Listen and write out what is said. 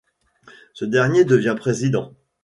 Ce dernier devient président.